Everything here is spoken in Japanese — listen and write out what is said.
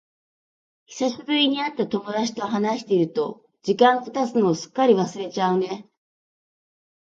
久しぶりに会った友達と話していると、時間が経つのをすっかり忘れちゃうね。